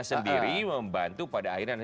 sendiri membantu pada akhirnya